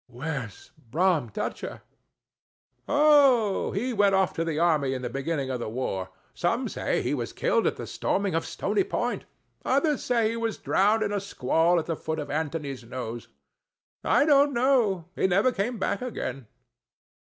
"Where's Brom Dutcher?" "Oh, he went off to the army in the beginning of the war; some say he was killed at the storming of Stony Point—others say he was drowned in a squall at the foot of Antony's Nose. I don't know— he never came back again."